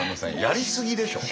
やりすぎでしょ。